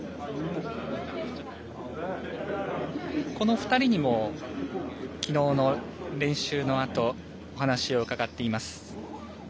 この２人にもきのうの練習のあとお話を伺っています。